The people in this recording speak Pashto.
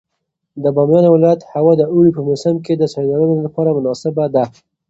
د بامیان ولایت هوا د اوړي په موسم کې د سیلانیانو لپاره مناسبه ده.